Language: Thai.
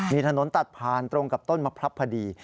มีถนนตัดผ่านตรงกับต้นมะพรัพพอดี